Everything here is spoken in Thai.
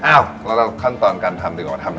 อ้าวแล้วขั้นตอนการทำด้วยกว่าทำยังไงครับเชฟ